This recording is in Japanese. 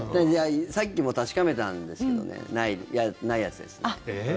さっきも確かめたんですけどねないやつですね。